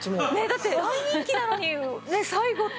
だって大人気なのに最後って。